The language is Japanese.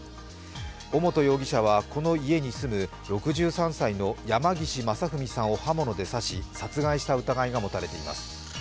尾本容疑者はこの家に住む６３歳の山岸正文さんを刃物で刺し殺害した疑いが持たれています。